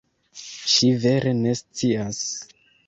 Ŝi vere ne scias.